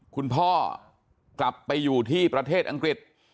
คุณพ่อกลับไปอยู่ที่ประเทศอังกฤษ